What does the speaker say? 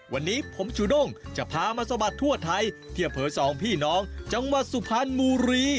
วันนี้ผมจูด้งจะพามาสะบัดทั่วไทยที่อำเภอสองพี่น้องจังหวัดสุพรรณบุรี